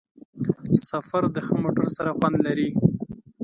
سفر د ښه موټر سره خوند لري.